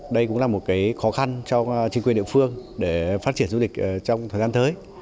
đây cũng là một khó khăn cho chính quyền địa phương để phát triển du lịch trong thời gian tới